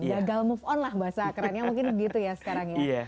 gagal move on lah bahasa kerennya mungkin begitu ya sekarang ya